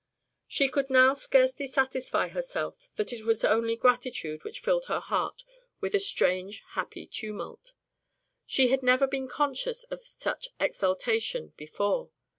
She could now scarcely satisfy herself that it was only gratitude which filled her heart with a strange, happy tumult. She had never been conscious of such exaltation before.